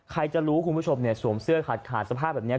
ใครจะรู้คุณผู้ชมเนี่ยสวมเสื้อขาดขาดสภาพแบบนี้